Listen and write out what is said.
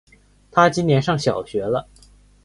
他今年上小学了